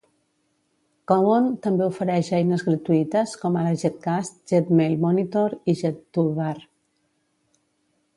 Cowon també ofereix eines gratuïtes, com ara JetCast, JetMailMonitor i JetToolBar.